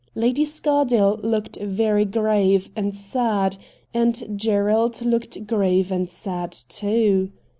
Lady Scardale looked very grave and sad, and Gerald looked grave and sad too.